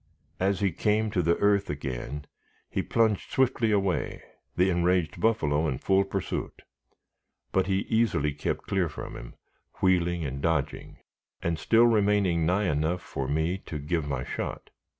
As he came to the earth again, he plunged swiftly away, the enraged buffalo in full pursuit; but he easily kept clear from him, wheeling and dodging, and still remaining nigh enough for me to give my shot.